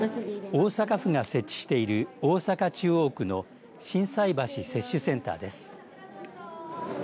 大阪府が設置している大阪中央区の心斎橋接種センターです。